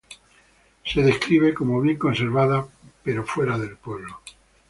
Se describe como bien conservada pero fuera del pueblo.